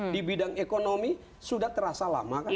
di bidang ekonomi sudah terasa lama kan